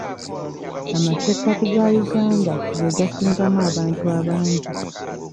Amasekkati ga Uganda ge gasingamu abantu abangi